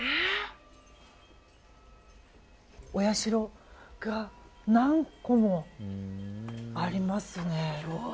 お社が何個もありますね。